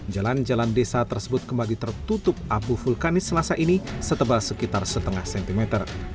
jalan jalan desa tersebut kembali tertutup abu vulkanis selasa ini setebal sekitar setengah cm